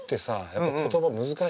やっぱり言葉難しいのよ。